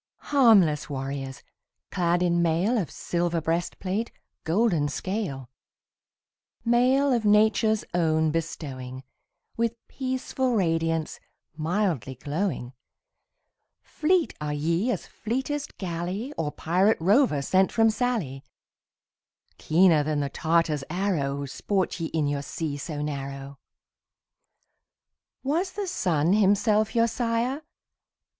Harmless warriors, clad in mail Of silver breastplate, golden scale; Mail of Nature's own bestowing, With peaceful radiance, mildly glowing Fleet are ye as fleetest galley Or pirate rover sent from Sallee; Keener than the Tartar's arrow, Sport ye in your sea so narrow. Was the sun himself your sire?